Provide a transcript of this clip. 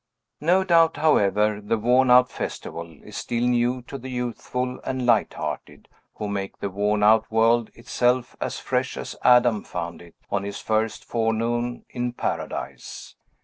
No doubt, however, the worn out festival is still new to the youthful and light hearted, who make the worn out world itself as fresh as Adam found it on his first forenoon in Paradise.